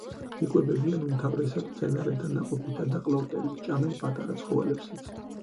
იკვებებიან უმთავრესად მცენარეთა ნაყოფითა და ყლორტებით, ჭამენ პატარა ცხოველებსაც.